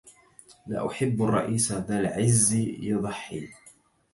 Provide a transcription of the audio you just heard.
لا أحب الرئيس ذا العز يضحي